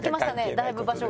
だいぶ場所が。